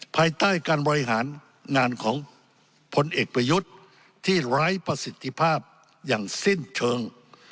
ภายใต้การบริหารงานของพลเอกประยุทธ์ที่ไร้ประสิทธิภาพอย่างสิ้นเชิง